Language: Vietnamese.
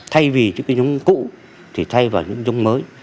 thay vì những cái giống cũ thì thay vào những giống mới